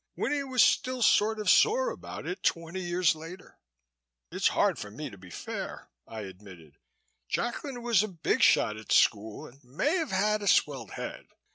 Winnie was still sort of sore about it twenty years later." "It's hard for me to be fair," I admitted. "Jacklin was a big shot at school and may have had a swelled head.